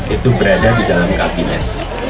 itu berada di dalam kabinet